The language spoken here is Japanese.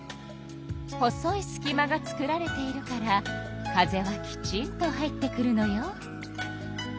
細いすき間が作られているから風はきちんと入ってくるのよ。